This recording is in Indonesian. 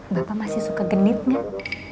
bapak masih suka genit gak